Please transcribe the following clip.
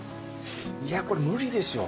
いやこれ無理でしょう。